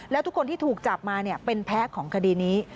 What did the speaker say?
แล้วทุกคนที่ถูกจับมาเป็นแพ้ของคดีนี้